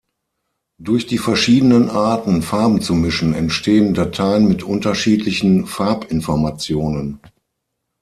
Durch die verschiedenen Arten Farben zu mischen entstehen Dateien mit unterschiedlichen Farbinformationen.